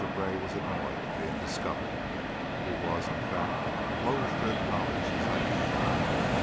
Gray was annoyed at being discovered; he was, in fact, loath to acknowledge his identity.